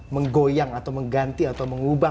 menggoyang atau mengganti atau mengubah